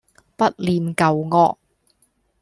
不念舊惡